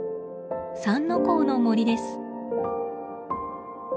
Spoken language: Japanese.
三之公の森です。